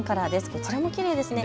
こちらもきれいですね。